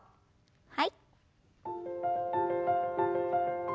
はい。